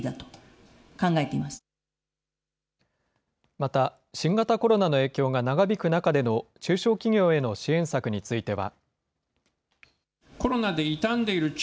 また、新型コロナの影響が長引く中での中小企業への支援策については。